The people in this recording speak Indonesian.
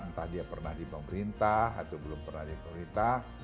entah dia pernah di pemerintah atau belum pernah di pemerintah